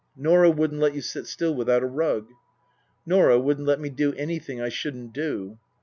Norah wouldn't let you sit still without a rug." " Norah wouldn't let me do anything I shouldn't do."